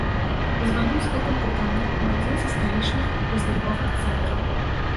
Званю з гэтым пытаннем у адзін са сталічных разліковых цэнтраў.